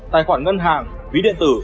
tài khoản ngân hàng quý điện tử